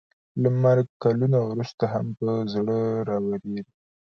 له مرګ کلونه وروسته هم په زړه راووري.